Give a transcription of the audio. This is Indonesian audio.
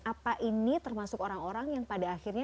apa ini termasuk orang orang yang pada akhirnya